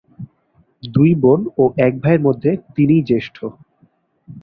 দুই বোন ও এক ভাইয়ের মধ্যে তিনি ই জ্যেষ্ঠ।